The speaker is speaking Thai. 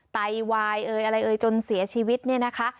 ไตวายอะไรจนเสียชีวิตเนี่ยนะคะ